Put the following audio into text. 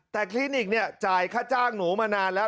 แต่คลินิกเนี่ยจ่ายค่าจ้างหนูมานานแล้ว